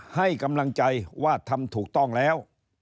ให้กำลังใจว่าทำถูกต้องแล้ว